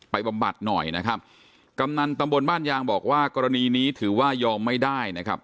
บำบัดหน่อยนะครับกำนันตำบลบ้านยางบอกว่ากรณีนี้ถือว่ายอมไม่ได้นะครับ